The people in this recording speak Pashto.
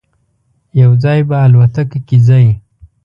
یو ځای به الوتکه کې ځی.